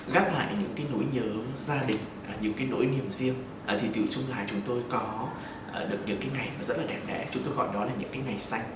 gác lại những nỗi nhớ gia đình những nỗi niềm riêng thì chúng tôi có được những ngày rất đẹp đẽ chúng tôi gọi đó là những ngày xanh